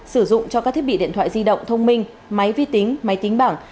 sử dụng cho các thiết bị điện thoại di động thông minh máy vi tính máy tính bảng